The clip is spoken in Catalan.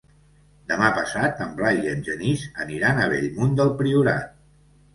Demà passat en Blai i en Genís aniran a Bellmunt del Priorat.